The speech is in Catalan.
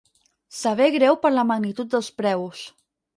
Saber greu per la magnitud dels preus.